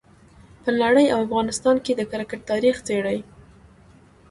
په نړۍ او افغانستان کې د کرکټ تاریخ څېړي.